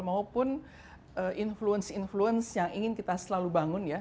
maupun influence influence yang ingin kita selalu bangun ya